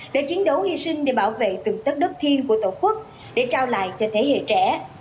để chiến đấu hy sinh để bảo vệ từng tất đất thiên của tổ quốc để trao lại cho thế hệ trẻ